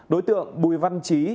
đối tượng bùi văn trí